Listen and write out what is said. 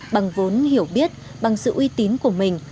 bằng vốn hiểu biết bằng sự uy tín của mình